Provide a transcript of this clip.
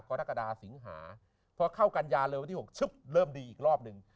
กรกฎาสิงหาพอเข้ากันยาเลยวันที่๖ชึบเริ่มดีอีกรอบหนึ่ง